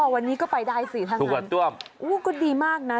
อ๋อวันนี้ก็ไปได้สิทางนั้นอู๊ก็ดีมากนะ